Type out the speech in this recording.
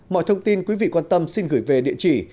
mọi thông tin quý vị quan tâm xin gửi về địa chỉ